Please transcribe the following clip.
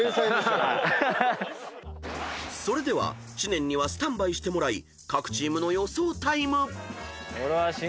［それでは知念にはスタンバイしてもらい各チームの予想タイム］